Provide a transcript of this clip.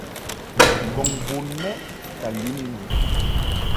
Ngɔŋ bun mɛʼ ka lin I mɨ.